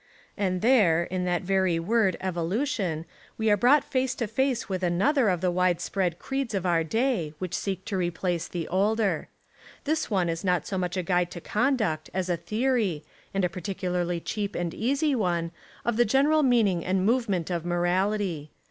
And there, in that very word evolution, we are brought face to face with another of the wide spread creeds of our day, which seek to replace the older. This one Is not so much a guide to conduct as a theory, and a particularly cheap and easy one, of a general meaning and movement of morality.